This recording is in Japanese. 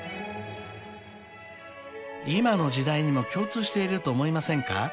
［今の時代にも共通していると思いませんか？］